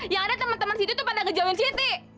yang ada temen temen siti tuh pandang ngejauhin siti